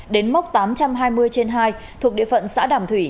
đến mốc tám trăm hai mươi trên hai thuộc địa phận xã đàm thủy